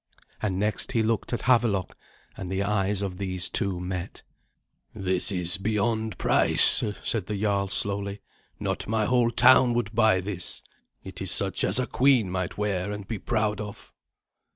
And next he looked at Havelok, and the eyes of these two met. "This is beyond price," said the jarl slowly. "Not my whole town would buy this. It is such as a queen might wear and be proud of."